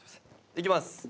いきます。